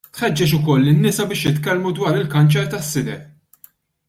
Tħeġġeġ ukoll lin-nisa biex jitkellmu dwar il-kanċer tas-sider.